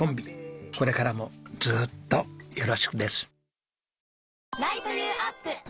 これからもずっとよろしくです。